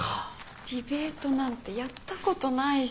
ディベートなんてやったことないし。